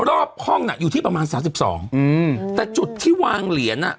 รอบห้องน่ะอยู่ที่ประมาณ๓๒แต่จุดที่วางเหรียญน่ะ